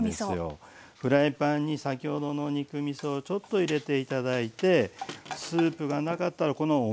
フライパンに先ほどの肉みそをちょっと入れて頂いてスープがなかったらこのお水で大丈夫です。